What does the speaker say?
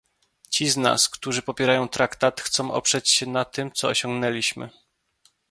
Ci z nas, którzy popierają Traktat chcą oprzeć się na tym, co osiągnęliśmy